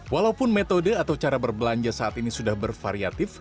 walaupun metode atau cara berbelanja saat ini sudah bervariatif